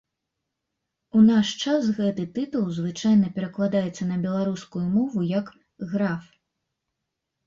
У наш час гэты тытул звычайна перакладаецца на беларускую мову як граф.